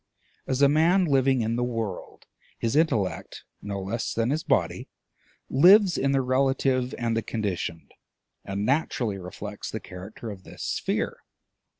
As a man living in the world, his intellect no less than his body lives in the relative and the conditioned, and naturally reflects the character of this sphere.